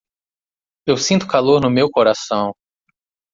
Eu sinto calor no meu coração.